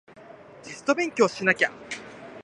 テスト勉強しなきゃ